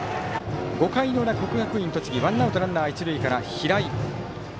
５回の裏、国学院栃木ワンアウトランナー、一塁から平井。